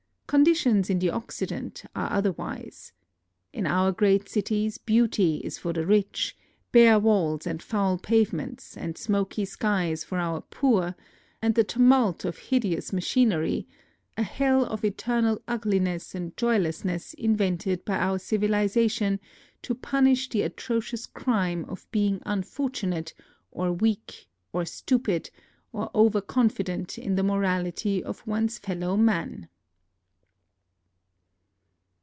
Conditions in the Occident are otherwise. In our great cities, beauty is for the rich ; bare walls and foul pavements and smoky skies for our poor, and the tumult of hideous machinery, — a hell of eternal ugli ness and joylessness invented by our civiliza tion to punish the atrocious crime of being unfortunate, or weak, or stupid, or overcon fident in the morality of one's fellow man.